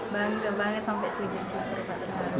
bangga banget sampai selesai